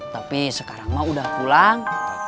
tapi sekarang mah udah pulang